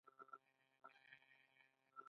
گل د تخم توليد لپاره ګلبرګ لري